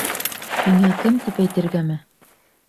Миңә кем тим әйтергәме?